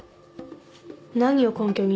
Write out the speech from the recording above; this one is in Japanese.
何を根拠に？